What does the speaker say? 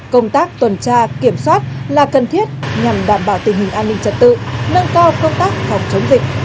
công tác tuần tra kiểm soát là cần thiết nhằm đảm bảo tình hình an ninh trật tự nâng cao công tác phòng chống dịch